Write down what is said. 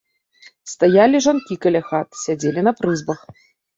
Стаялі жанкі каля хат, сядзелі на прызбах.